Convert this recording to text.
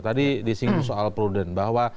tadi di singgung soal prudent bahwa